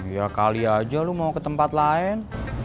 ya kali aja lu mau ke tempat lain